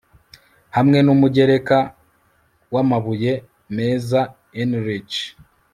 Hamwe numugereka wamabuye meza enrichd